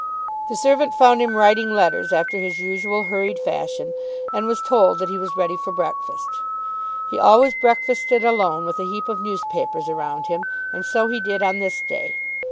The servant found him writing letters after his usual hurried fashion, and was told that he was ready for breakfast. He always breakfasted alone with a heap of newspapers around him, and so he did on this day.